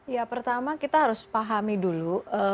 ya pertama kita harus pahami dulu